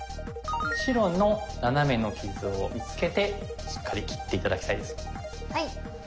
白のナナメの傷を見つけてしっかり切って頂きたいです。